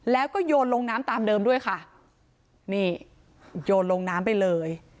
แล้วก็โยนลงน้ำตามเดิมด้วยค่ะนี่โยนลงน้ำไปเลย